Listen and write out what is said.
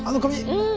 うん。